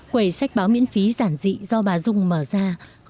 quầy sách báo miễn phí giản dị do bà dung mở ra không chỉ đem lại niềm vui nho nhỏ